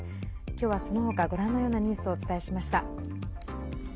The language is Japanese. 今日はその他、ご覧のようなニュースをお伝えしました。